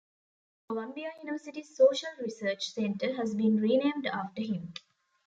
Columbia University's social research center has been renamed after him.